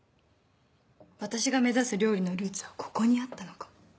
私が目指す料理のルーツはここにあったのかも。